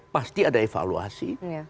pasti ada evaluasi